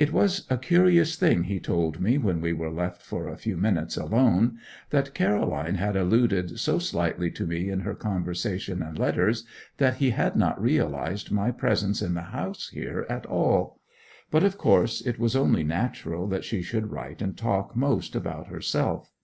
It was a curious thing he told me when we were left for a few minutes alone; that Caroline had alluded so slightly to me in her conversation and letters that he had not realized my presence in the house here at all. But, of course, it was only natural that she should write and talk most about herself.